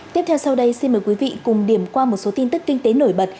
tiếp theo sau đây xin mời quý vị cùng điểm qua một số tin tức kinh tế nổi bật